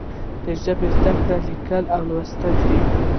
د ژبې زده کړه لیکل او لوستل دي.